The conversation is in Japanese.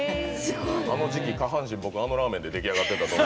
あの時期下半身、あのラーメンで出来上がってた。